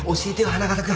花形君。